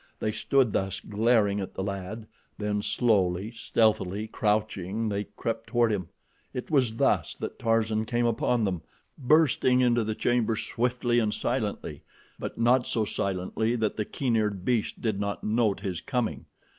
They stood thus glaring at the lad, then slowly, stealthily, crouching, they crept toward him. It was thus that Tarzan came upon them, bursting into the chamber swiftly and silently; but not so silently that the keen eared beasts did not note his coming.